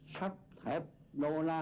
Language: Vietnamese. sắp thép lô la